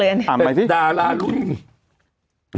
ยากมากเลยอันนี้